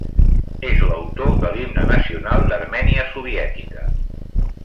És l'autor de l'Himne nacional d'Armènia soviètica.